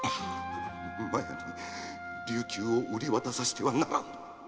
麻耶に琉球を売り渡させてはならん！〕